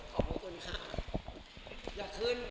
ขอบคุณค่ะ